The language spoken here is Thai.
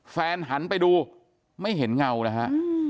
หันไปดูไม่เห็นเงานะฮะ